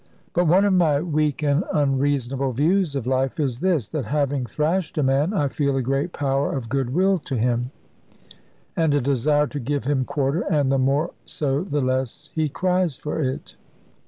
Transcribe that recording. But one of my weak and unreasonable views of life is this, that having thrashed a man, I feel a great power of goodwill to him, and a desire to give him quarter, and the more so the less he cries for it.